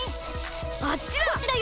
あっちだ！